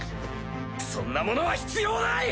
そんなものは必要ない！